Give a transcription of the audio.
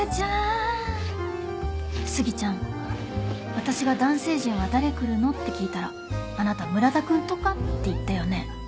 私が「男性陣は誰来るの？」って聞いたらあなた「村田君とか」って言ったよね？